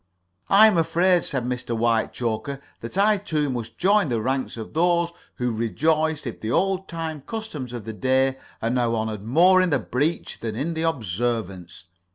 "I am afraid," said Mr. Whitechoker, "that I, too, must join the ranks of those who rejoice if the old time customs of the day are now honored more in the breach than in the observance.